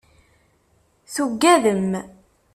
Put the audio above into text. Tuggadem.